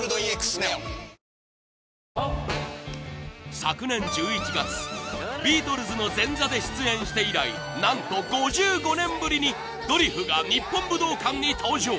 ［昨年１１月ビートルズの前座で出演して以来何と５５年ぶりにドリフが日本武道館に登場］